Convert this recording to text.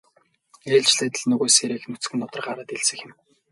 Ээлжлээд л нөгөө сээрийг нүцгэн нударгаараа дэлсэх юм.